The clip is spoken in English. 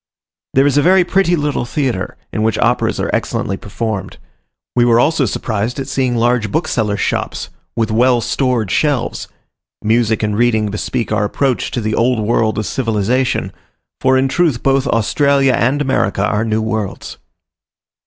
There is a very pretty little theatre, in which operas are excellently performed. We were also surprised at seeing large booksellers' shops, with well stored shelves; music and reading bespeak our approach to the old world of civilization; for in truth both Australia and America are new worlds.